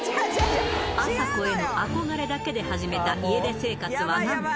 あさこへの憧れだけで始めた家出生活はなんと。